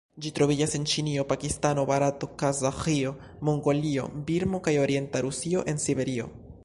Ĝi troviĝas en Ĉinio, Pakistano, Barato, Kazaĥio, Mongolio, Birmo kaj orienta Rusio en Siberio.